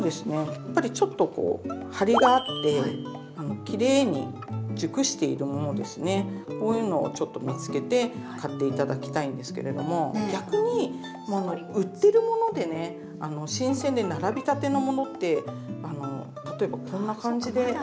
やっぱりちょっとこうこういうのをちょっと見つけて買って頂きたいんですけれども逆に売ってるものでね新鮮で並びたてのものって例えばこんな感じで。